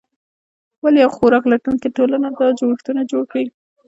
ولې یوه خوراک لټونکې ټولنه دا جوړښتونه جوړ کړي؟